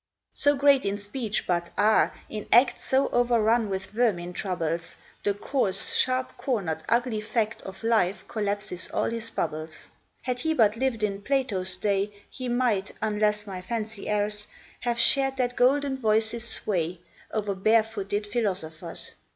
So great in speech, but, ah! in act So overrun with vermin troubles, The coarse, sharp cornered, ugly fact Of life collapses all his bubbles: Had he but lived in Plato's day, He might, unless my fancy errs, Have shared that golden voice's sway O'er barefooted philosophers.